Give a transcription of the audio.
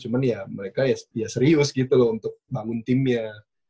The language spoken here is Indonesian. cuman ya mereka ya serius gitu loh untuk bangun timnya